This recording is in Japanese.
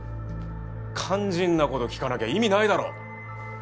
肝心なこと聞かなきゃ意味ないだろ。